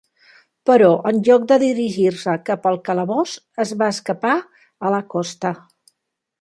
Però en lloc de dirigir-se cap al calabós, es va escapar a la costa.